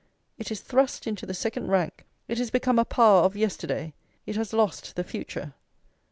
It is thrust into the second rank, it is become a power of yesterday, it has lost the future.